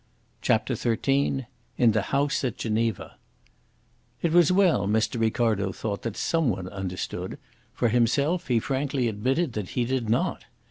CHAPTER XIII IN THE HOUSE AT GENEVA It was well, Mr. Ricardo thought, that some one understood. For himself, he frankly admitted that he did not.